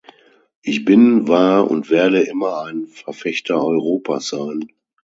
Ich bin, war und werde immer ein Verfechter Europas sein.